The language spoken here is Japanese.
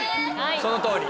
そのとおり。